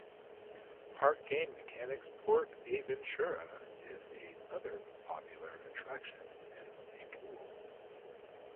Park Game Mechanics Port Aventura is another popular attraction in Macul.